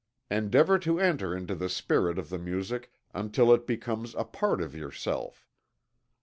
Endeavor to enter into the spirit of the music until it becomes a part of yourself.